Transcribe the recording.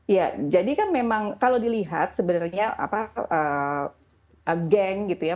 ya jadi kan memang kalau dilihat sebenarnya geng gitu ya